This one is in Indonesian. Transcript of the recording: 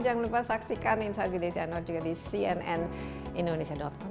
jangan lupa saksikan insight with desi anwar juga di cnnindonesia com